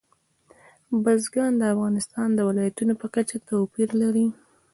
بزګان د افغانستان د ولایاتو په کچه توپیر لري.